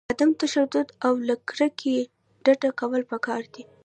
عدم تشدد او له کرکې ډډه کول پکار دي.